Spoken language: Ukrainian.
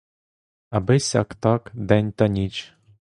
Аби сяк-так день та ніч.